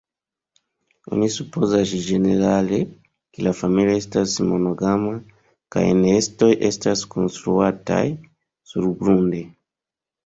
Oni supozas ĝenerale, ke la familio estas monogama, kaj la nestoj estas konstruataj surgrunde.